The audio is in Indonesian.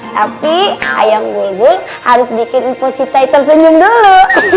tapi ayam bulgul harus bikin pak sita itu senyum dulu